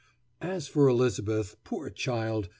As for Elizabeth, poor child!